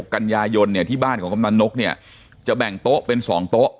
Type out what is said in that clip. ๖กัญญายนที่บ้านของกำหนดนกจะแบ่งโต๊ะเป็น๒โต๊ะ